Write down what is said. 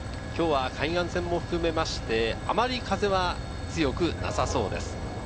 今日は海岸線も含めて、あまり風は強くなさそうです。